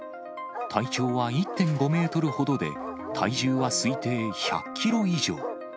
体長は１．５メートルほどで、体重は推定１００キロ以上。